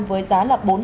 với giá trị một đồng